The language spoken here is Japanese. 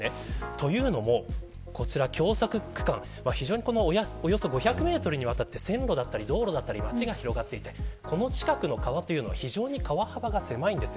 というのも、こちら狭窄区間およそ５００メートルにわたって線路や道路、街が広がっていてこの近くの川というのは非常に川幅が狭いんです。